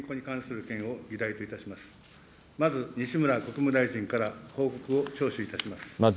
まず西村国務大臣から報告を聴取いたします。